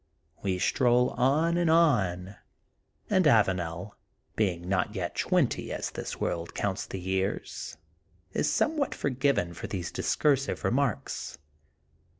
'* We stroll on and on, and Avanel, being not yet twenty, as this world counts the years, is somewhat forgiven for these discursive re marks.